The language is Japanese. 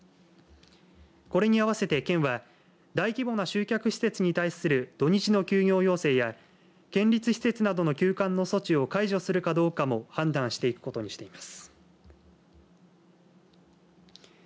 これに合わせて県は大規模な集客施設に対する土日の休業要請や県立施設などの休館の措置を解除するかどうかも判断していくことにしています。